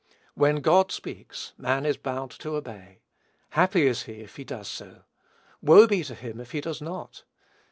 When God speaks, man is bound to obey. Happy is he if he does so. Woe be to him if he does not.